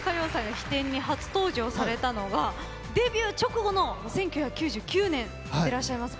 飛天に初登場されたのはデビュー直後の１９９９年でいらっしゃいますね。